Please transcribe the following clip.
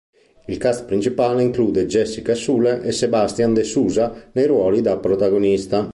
Il cast principale include Jessica Sula e Sebastian de Souza nei ruoli da protagonisti.